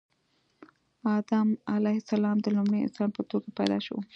آدم علیه السلام د لومړي انسان په توګه پیدا شو